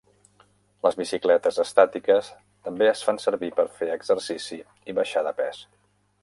Les bicicletes estàtiques també es fan servir per fer exercici i baixar de pes.